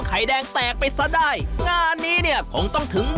ใส่ต่างไปเลยให้เต็มไปเลย